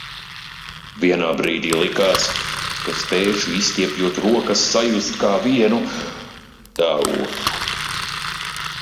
Vienā brīdī likās, ka spēšu, izstiepjot rokas, sajust kā vienu, tā otru.